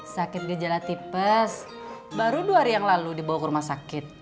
sakit gejala tipes baru dua hari yang lalu dibawa ke rumah sakit